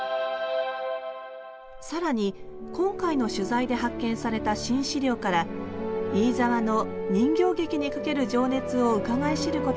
更に今回の取材で発見された新資料から飯沢の人形劇にかける情熱をうかがい知ることができます。